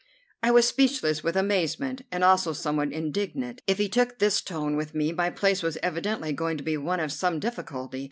I was speechless with amazement, and also somewhat indignant. If he took this tone with me, my place was evidently going to be one of some difficulty.